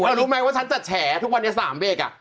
นี่เขารู้ไหมว่าฉันจะแฉทุกวันนี้สามเบก